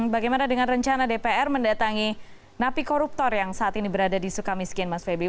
bagaimana dengan rencana dpr mendatangi napi koruptor yang saat ini berada di sukamiskin mas febri